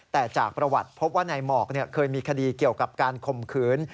แต่จากประวัติพบว่านายหมอกเคยมีคดีเกี่ยวกับการข่มขืน